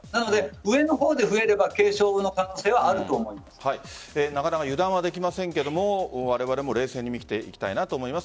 上の方で増えればなかなか油断はできませんがわれわれも冷静に見ていきたいと思います。